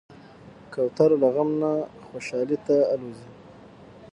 کوتره له غم نه خوشحالي ته الوزي.